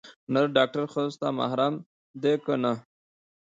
نر ډاکتر ښځو ته محرم ديه که نه.